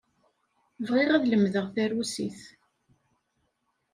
Bɣiɣ ad lemdeɣ tarusit.